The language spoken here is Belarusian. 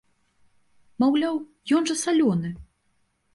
Маўляў, ён жа салёны!